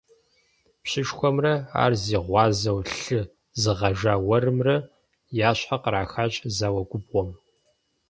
Пщышхуэмрэ ар зи гъуазэу лъы зыгъэжа уэрымрэ я щхьэр кърахащ зауэ губгъуэм.